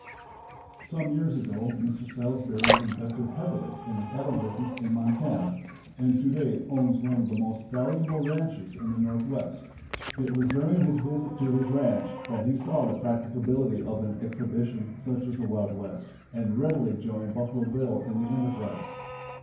Some years ago Mr. Salsbury invested heavily in the cattle business in Montana, and to day owns one of the most valuable ranches in the Northwest. It was during his visit to his ranch that he saw the practicability of an exhibition such as the Wild West, and readily joined Buffalo Bill in the enterprise.